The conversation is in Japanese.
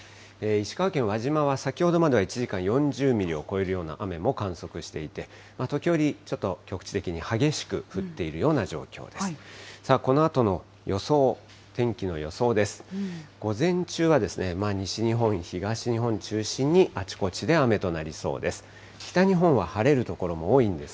石川県輪島は、先ほどまでは１時間４０ミリを超えるような雨も観測していて、時折、ちょっと、局地的に激しく降っているような状況です。